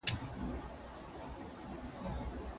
د غني ـ غني خوځښته قدم اخله